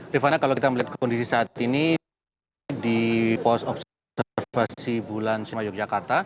rifana kalau kita melihat kondisi saat ini di pos observasi bulan suma yogyakarta